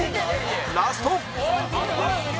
ラスト！